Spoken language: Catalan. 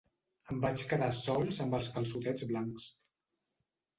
Em vaig quedar sols amb els calçotets blancs.